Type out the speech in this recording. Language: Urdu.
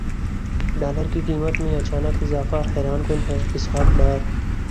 ڈالر کی قیمت میں اچانک اضافہ حیران کن ہے اسحاق ڈار